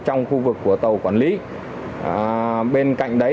trong khu vực của tàu quản lý